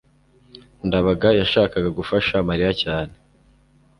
ndabaga yashakaga gufasha mariya cyane